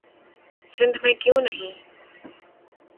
سندھ میں کیوں نہیں؟